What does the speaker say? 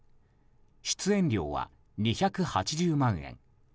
出演料は２８０万円。